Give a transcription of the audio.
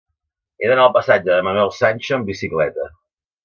He d'anar al passatge de Manuel Sancho amb bicicleta.